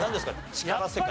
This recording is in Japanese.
力世界。